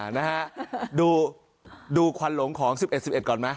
นะฮะดูควันหลงของ๑๑๑๑ก่อนไหม